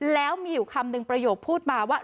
แล้วมีอยู่คำหนึ่งประโยคพูดมาว่า